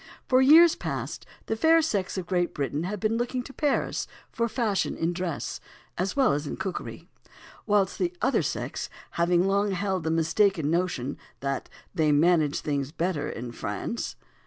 For years past the fair sex of Great Britain have been looking to Paris for fashion in dress, as well as in cookery; whilst the other sex have long held the mistaken notion that "they manage things better in France."